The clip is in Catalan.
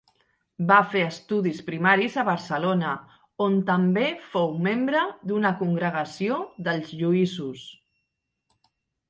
Va fer estudis primaris a Barcelona, on també fou membre d'una congregació dels Lluïsos.